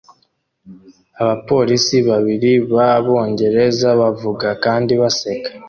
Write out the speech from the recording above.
Abapolisi babiri b'Abongereza bavuga kandi baseka